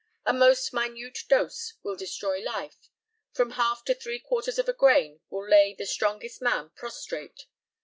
A most minute dose will destroy life, from half to three quarters of a grain will lay the strongest man prostrate.